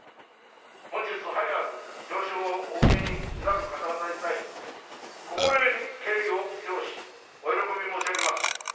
本日、栄えある表彰をお受けになる方々に対し心より敬意を表しお喜びを申し上げます。